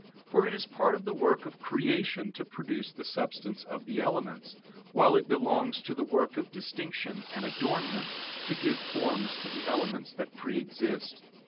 For it is part of the work of creation to produce the substance of the elements, while it belongs to the work of distinction and adornment to give forms to the elements that pre exist.